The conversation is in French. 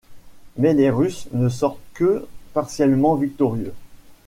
Mais les Russes ne sortent que partiellement victorieux.